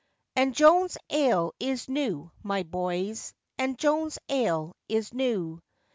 And Joan's ale is new, my boys, And Joan's ale is new.